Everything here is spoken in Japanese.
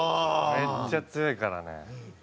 めっちゃ強いからね。